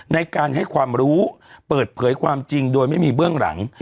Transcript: ในการให้ความรู้เปิดเผยความจริงโดยไม่มีเบื้องหลัง